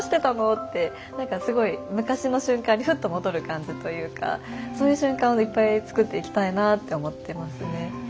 って何かすごい昔の瞬間にふっと戻る感じというかそういう瞬間をいっぱい作っていきたいなって思ってますね。